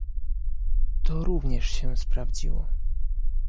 To również się sprawdziło